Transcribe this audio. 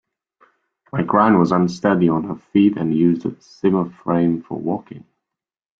My gran was unsteady on her feet and used a Zimmer frame for walking